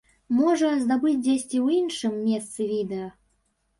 Можа, здабыць дзесьці ў іншым месцы відэа.